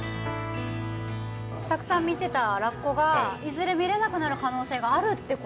たくさん見てたラッコがいずれ見れなくなる可能性があるってことですか？